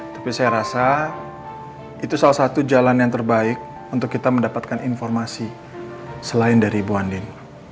tapi saya rasa itu salah satu jalan yang terbaik untuk kita mendapatkan informasi selain dari ibu andir